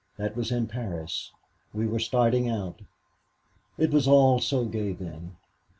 That was in Paris. We were starting out. It was all so gay then.